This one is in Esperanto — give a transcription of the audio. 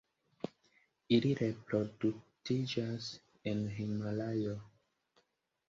Ili reproduktiĝas en Himalajo.